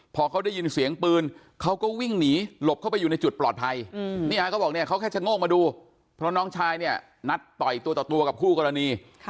พอเขาได้ยินเสียงปืนเขาก็วิ่งหนีหลบเข้าไปอยู่ในจุดปลอดภัยเนี่ยเขาบอกเนี่ยเขาแค่ชะโงกมาดูเพราะน้องชายเนี่ยนัดต่อยตัวต่อตัวกับคู่กรณี